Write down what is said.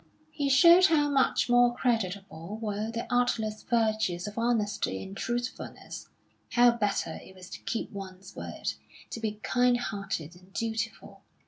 He showed how much more creditable were the artless virtues of honesty and truthfulness; how better it was to keep one's word, to be kind hearted and dutiful.